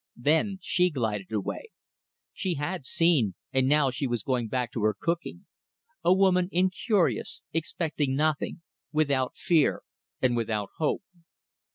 Then she glided away. She had seen and now she was going back to her cooking; a woman incurious; expecting nothing; without fear and without hope.